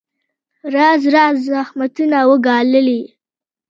راز راز زحمتونه وګاللې.